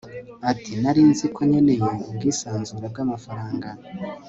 Ati Nari nzi ko nkeneye ubwisanzure bwamafaranga